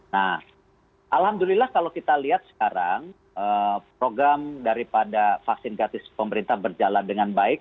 nah alhamdulillah kalau kita lihat sekarang program daripada vaksin gratis pemerintah berjalan dengan baik